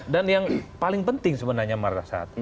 dan yang paling penting sebenarnya